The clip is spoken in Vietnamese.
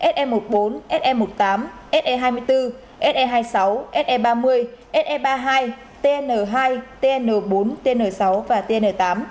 se một mươi hai se một mươi bốn se một mươi tám se hai mươi bốn se hai mươi sáu se ba mươi se ba mươi hai tn hai tn bốn tn sáu và tn tám